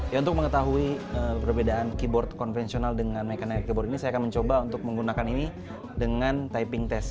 ya untuk mengetahui perbedaan keyboard konvensional dengan mekanik keyboard ini saya akan mencoba untuk menggunakan ini dengan tiping test